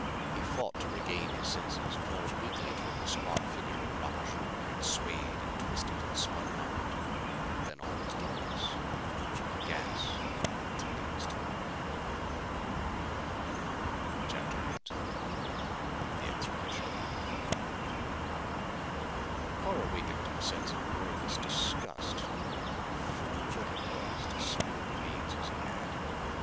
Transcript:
He fought to regain his senses, crawled weakly toward the squat figure of Rapaju where it swayed and twisted and spun around. Then all was darkness. The gas had taken its toll. CHAPTER VIII The Expedition Carr awakened to a sense of wordless disgust. Fool that he was to spill the beans as he had!